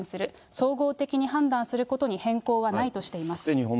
総合的に判断することに変更はないとしています。